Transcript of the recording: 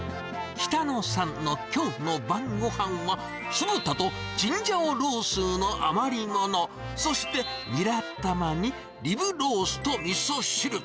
北野さんのきょうの晩ごはんは、酢豚とチンジャオロースの余り物、そしてニラ玉にリブロースとみそ汁。